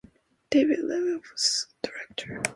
David Leveaux was director.